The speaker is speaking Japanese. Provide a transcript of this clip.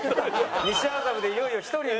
西麻布でいよいよ１人に。